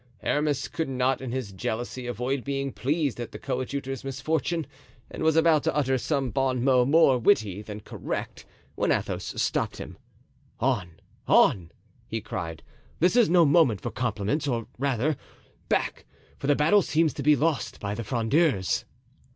Aramis could not in his jealousy avoid being pleased at the coadjutor's misfortune, and was about to utter some bon mot more witty than correct, when Athos stopped him. "On, on!" he cried, "this is no moment for compliments; or rather, back, for the battle seems to be lost by the Frondeurs."